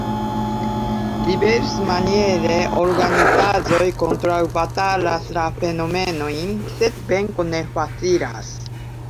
Diversmaniere organizaĵoj kontraŭbatalas la fenomenojn, sed venko ne facilas.